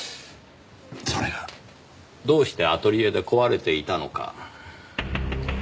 それがどうしてアトリエで壊れていたのか？